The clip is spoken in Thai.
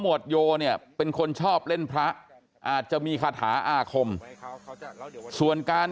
วดโยเนี่ยเป็นคนชอบเล่นพระอาจจะมีคาถาอาคมส่วนการ